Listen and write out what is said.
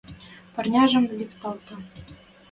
Парняжым виктӓлтӓ